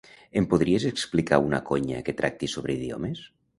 Em podries explicar una conya que tracti sobre idiomes?